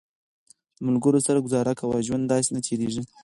د ملګرو سره ګزاره کوه، ژوند داسې نه تېرېږي